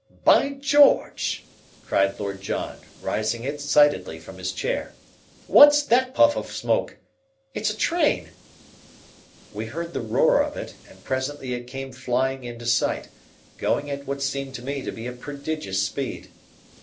"By George!" cried Lord John, rising excitedly from his chair. "What's that puff of smoke? It's a train." We heard the roar of it, and presently it came flying into sight, going at what seemed to me to be a prodigious speed.